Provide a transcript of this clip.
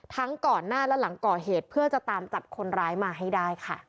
ก่อนหน้าและหลังก่อเหตุเพื่อจะตามจับคนร้ายมาให้ได้ค่ะ